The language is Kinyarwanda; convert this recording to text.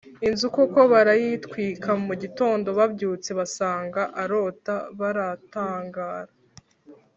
Inzu koko barayitwika, mu gitondo babyutse basanga arota baratangara